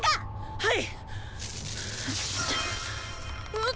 はい！